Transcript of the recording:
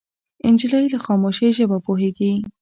نجلۍ له خاموشۍ ژبه پوهېږي.